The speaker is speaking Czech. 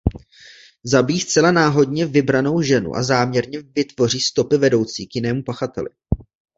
Zabijí zcela náhodně vybranou ženu a záměrně vytvoří stopy vedoucí k jinému pachateli.